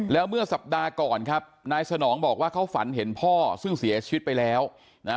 แล้วเมื่อสัปดาห์ก่อนครับนายสนองบอกว่าเขาฝันเห็นพ่อซึ่งเสียชีวิตไปแล้วนะ